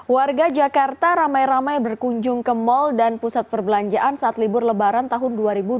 warga jakarta ramai ramai berkunjung ke mal dan pusat perbelanjaan saat libur lebaran tahun dua ribu dua puluh